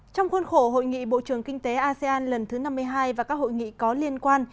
trong khuôn khổ hội nghị bộ trưởng kinh tế asean lần thứ năm mươi hai và các hội nghị có liên quan